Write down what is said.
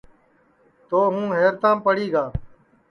تو ہوں حیرتام پڑی گا